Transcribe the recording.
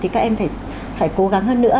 thì các em phải cố gắng hơn nữa